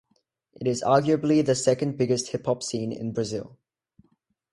It is arguably the second biggest hip hop scene in Brazil.